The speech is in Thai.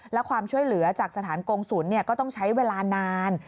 และความช่วยเหลือจากสถานกงศูนย์ก็ต้องใช้เวลานาน